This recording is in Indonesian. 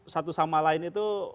satu sama lain itu